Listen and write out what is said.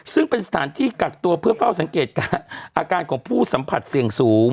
ซึ่งเป็นสถานที่กักตัวเพื่อเฝ้าสังเกตการอาการของผู้สัมผัสเสี่ยงสูง